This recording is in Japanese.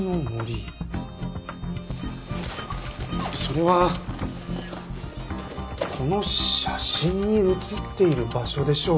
それはこの写真に写っている場所でしょうか？